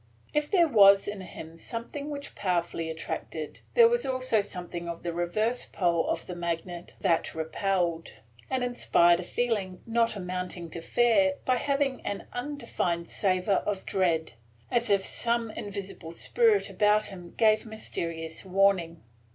If there was in him something which powerfully attracted there was also something of the reverse pole of the magnet that repelled, and inspired a feeling not amounting to fear by having an undefined savor of dread, as if some invisible spirit about him gave mysterious warning.